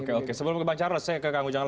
oke oke sebelum kebangunan saya ke kang ujang lagi